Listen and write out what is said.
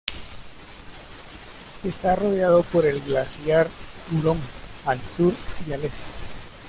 Está rodeado por el glaciar Huron al sur y al este.